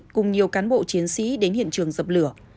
cùng nhiều cán bộ chiến sĩ đến hiện trường dập lửa